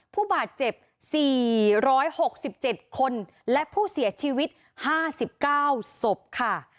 ผู้บาดเจ็บ๔๖๗คนและผู้เสียชีวิต๕๙ศพค่ะ